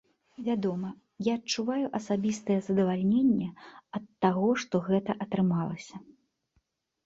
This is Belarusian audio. Вядома, я адчуваю асабістае задавальненне ад таго, што гэта атрымалася.